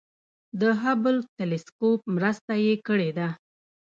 د هبل تلسکوپ مرسته یې کړې ده.